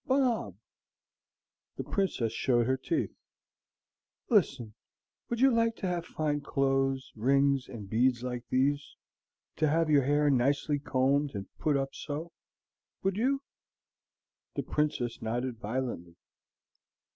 "Bob!" The Princess showed her teeth. "Listen. Would you like to have fine clothes, rings, and beads like these, to have your hair nicely combed and put up so? Would you?" The Princess nodded violently.